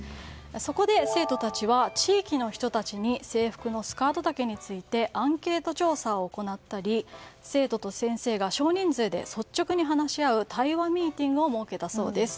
そこで生徒たちは地域の人たちに制服のスカート丈についてアンケート調査を行ったり生徒と先生と少人数で率直に話し合う対話ミーティングを設けたそうです。